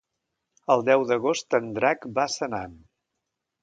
El deu d'agost en Drac va a Senan.